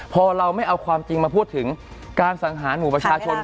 พอเราไม่เอาความจริงมาพูดถึงการสังหารหมู่ประชาชน